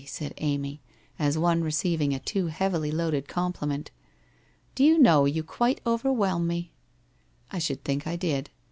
' said Amy, as one receiving a too heavily loaded compliment. * Do you know, you quite overwhelm me? '' I should think I did.